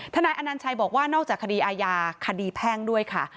นายอนัญชัยบอกว่านอกจากคดีอาญาคดีแพ่งด้วยค่ะ